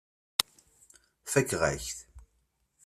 Fakeɣ-ak-t.